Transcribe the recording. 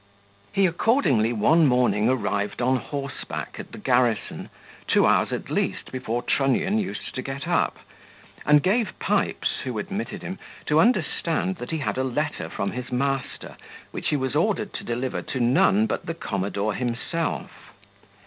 He, accordingly, one morning arrived on horseback at the garrison, two hours at least before Trunnion used to get up, and gave Pipes, who admitted him, to understand, that he had a letter from his master, which he was ordered to deliver to none but the commodore himself.